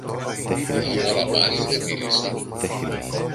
Λίγη ώρα πάλι δε μίλησαν.